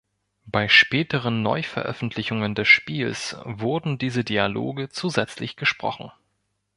Bei späteren Neuveröffentlichungen des Spiels wurden diese Dialoge zusätzlich gesprochen.